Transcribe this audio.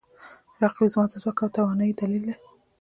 رقیب زما د ځواک او توانایي دلیل دی